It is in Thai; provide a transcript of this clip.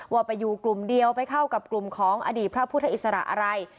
ว่าไปอยู่กลุ่มเดียวไปเข้ากับกลุ่มของอดีตพระพุทธอิสระอะไร